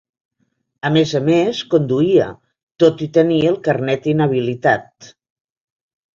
A més a més, conduïa tot i tenir el carnet inhabilitat.